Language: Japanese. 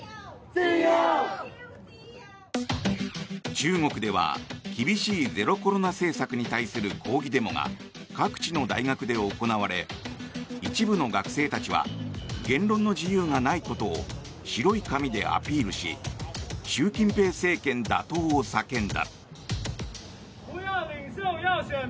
中国では厳しいゼロコロナ政策に対する抗議デモが各地の大学で行われ一部の学生たちは言論の自由がないことを白い紙でアピールし習近平政権打倒を叫んだ。